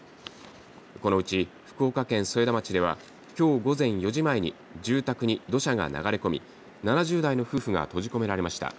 このうち福岡県添田町ではきょう午前４時前に住宅に土砂が流れ込み７０代の夫婦が閉じ込められました。